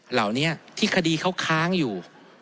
เหล่านี้ที่คดีเขาค้างอยู่